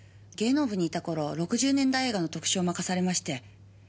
芸能部にいた頃６０年代映画の特集を任されまして。